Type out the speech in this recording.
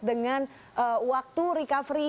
dengan waktu recovery